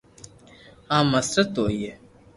۽ مسرت هئي